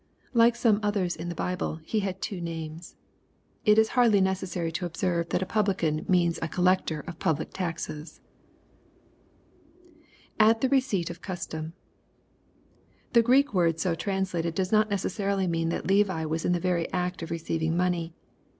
Like some others in the Bible, he had two names. It is hardly necessary to observe that a publican means a col lector of public taxes. [At the receipt of custom,] The Greek word so translated does not necessarily mean that Levi was in the very act of re oeiving money.